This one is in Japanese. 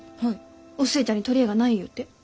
お寿恵ちゃんに取り柄がないゆうて？